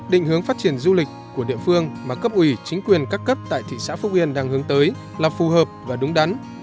định hướng phát triển du lịch của địa phương mà cấp ủy chính quyền các cấp tại thị xã phúc yên đang hướng tới là phù hợp và đúng đắn